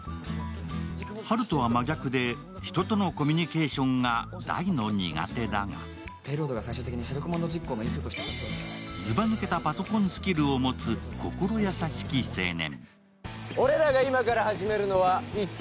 ハルとは真逆で人とのコミュニケーションが大の苦手だが、ずばぬけたパソコンスキルを持つ心優しき青年。